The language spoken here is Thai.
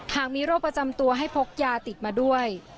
หากมีโรคประจำตัวให้พกยาติดมาด้วย